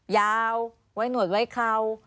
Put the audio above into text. ยาวไว้หนวดไว้เครา